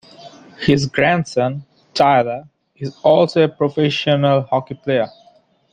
His grandson, Tyler, is also a professional hockey player.